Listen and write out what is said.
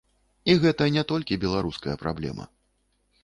І гэта не толькі беларуская праблема.